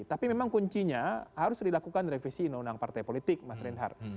tapi memang kuncinya harus dilakukan revisi undang undang partai politik mas reinhardt